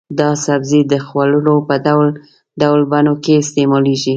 دا سبزی د خوړو په ډول ډول بڼو کې استعمالېږي.